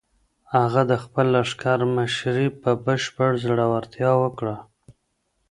هغه د خپل لښکر مشري په بشپړ زړورتیا وکړه.